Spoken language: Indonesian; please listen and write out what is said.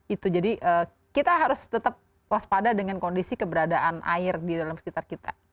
itu jadi kita harus tetap waspada dengan kondisi keberadaan air di dalam sekitar kita